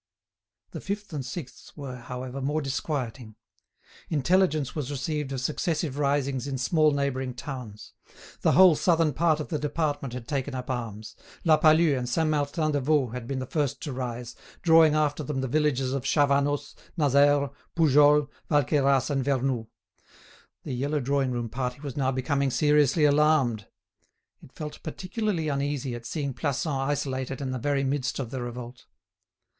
The 5th and 6th were, however, more disquieting. Intelligence was received of successive risings in small neighbouring towns; the whole southern part of the department had taken up arms; La Palud and Saint Martin de Vaulx had been the first to rise, drawing after them the villages of Chavanos, Nazeres, Poujols, Valqueyras and Vernoux. The yellow drawing room party was now becoming seriously alarmed. It felt particularly uneasy at seeing Plassans isolated in the very midst of the revolt.